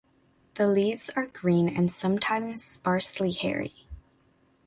The leaves are green and sometimes sparsely hairy.